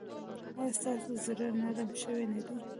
ایا ستاسو زړه نرم شوی نه دی؟